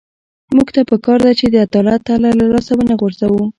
موږ ته پکار ده چې د عدالت تله له لاسه ونه غورځوو.